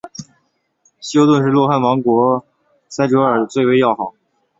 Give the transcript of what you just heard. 希优顿是洛汗国王塞哲尔最为要好。